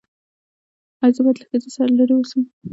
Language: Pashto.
ایا زه باید له ښځې لرې اوسم؟